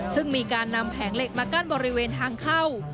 ซึ่งมีการนำแผงเหล็กมากั้นบริเวณทางเข้า